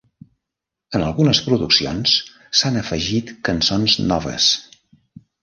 En algunes produccions s'han afegit cançons noves.